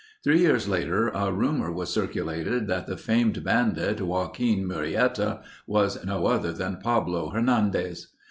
Three years later a rumor was circulated that the famed bandit, Joaquin Murietta was no other than Pablo Hernandez.